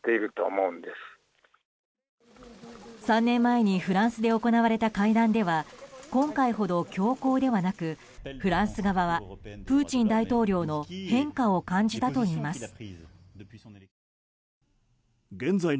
３年前にフランスで行われた会談では今回ほど強硬ではなくフランス側はプーチン大統領の変化を感じたといいます。